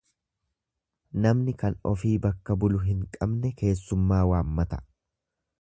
Namni kan ofii bakka bulu hin qabne keessummaa waammata.